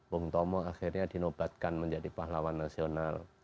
bung tomo akhirnya dinobatkan menjadi pahlawan nasional